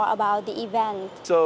anh có thể chia sẻ